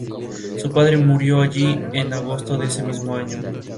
Su padre murió allí en agosto de ese mismo año.